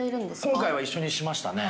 今回は一緒にしましたね。